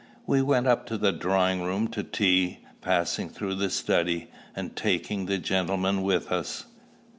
We went up to the drawing room to tea, passing through the study, and taking the gentlemen with us.